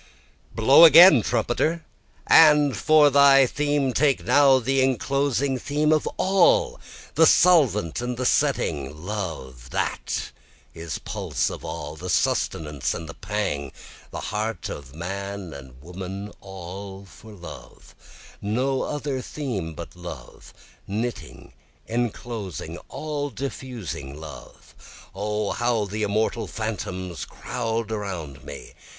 5 Blow again trumpeter! and for thy theme, Take now the enclosing theme of all, the solvent and the setting, Love, that is pulse of all, the sustenance and the pang, The heart of man and woman all for love, No other theme but love knitting, enclosing, all diffusing love. O how the immortal phantoms crowd around me!